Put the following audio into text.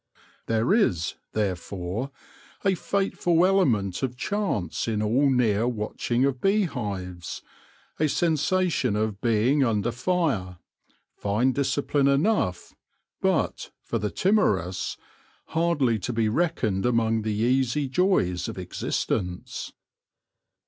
There is, therefore, a fateful element of chance in all near watching of beehives, a sensation of being under fire — fine discipline enough, but, for the timor ous, hardly to be reckoned among the easy joys of existence.